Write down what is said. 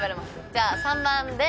じゃあ３番で。